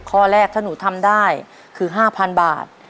ข้อแรกถ้าหนูทำได้คือ๕๐๐๐บาท